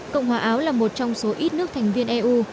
cộng hòa áo là một trong số ít nước thành viên eu